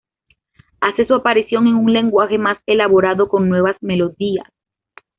Hace su aparición un lenguaje más elaborado con nuevas melodías.